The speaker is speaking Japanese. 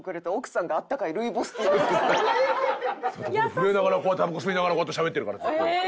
震えながらタバコ吸いながらこうやってしゃべってるからずっと。